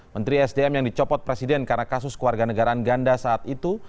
menteri sdm yang dicopot presiden karena kasus keluarga negaraan ganda saat itu